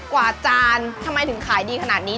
กว่าจานทำไมถึงขายดีขนาดนี้